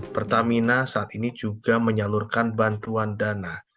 pertamina saat ini juga menyalurkan bantuan dana